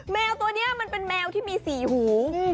แมวตัวนี้มันเป็นแมวที่มี๔หู